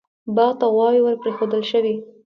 باغ ته غواوې ور پرېښودل شوې.